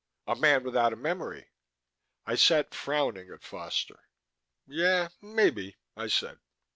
A man without a memory." I sat frowning at Foster. "Yeah, maybe," I said.